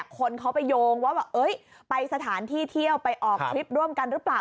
คนเขาไปโยงว่าไปสถานที่เที่ยวไปออกทริปร่วมกันหรือเปล่า